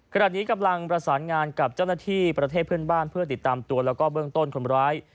ขณะนี้กำลังประสานงานกับเจ้าหน้าที่ประเทศเพื่อนบ้านเพื่อติดตามตัวแล้วก็เบื้องต้นคนร้าย